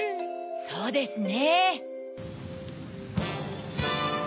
そうですね。